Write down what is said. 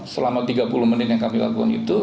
selama tiga puluh menit yang kami lakukan itu